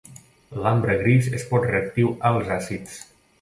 L'ambre gris és poc reactiu als àcids.